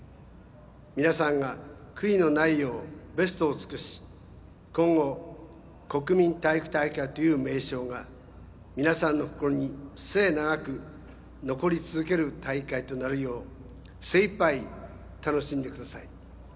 皆さんが悔いのないようベストを尽くし今後、国民体育大会という名称が皆さんの心に末永く残り続ける大会となるよう精一杯、楽しんでください。